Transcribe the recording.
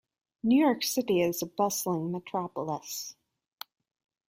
New York City is a bustling metropolis.